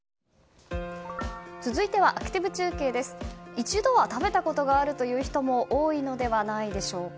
一度は食べたことがあるという人も多いのではないでしょうか。